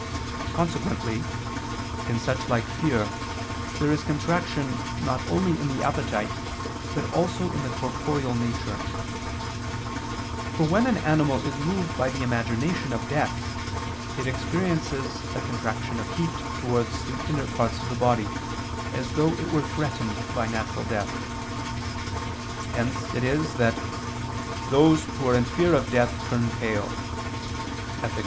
Consequently in such like fear, there is contraction not only in the appetite, but also in the corporeal nature: for when an animal is moved by the imagination of death, it experiences a contraction of heat towards the inner parts of the body, as though it were threatened by a natural death. Hence it is that "those who are in fear of death turn pale" (Ethic.